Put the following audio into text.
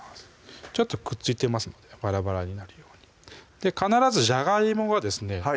ちょっとくっついてますのでバラバラになるように必ずじゃがいもがですね